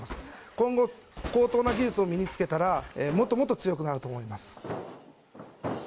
今後、高等な技術を身につけたら、もっともっと強くなると思います。